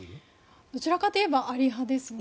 どちらかといえばあり派ですね。